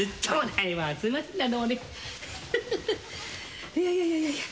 いやいやいやいやいや。